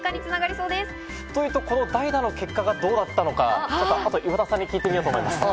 代打の結果がどうだったのか、後で岩田さんに聞いてみようと思います。